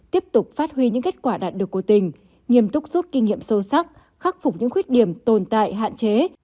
tiếp tục phát huy những kết quả đạt được của tỉnh nghiêm túc rút kinh nghiệm sâu sắc khắc phục những khuyết điểm tồn tại hạn chế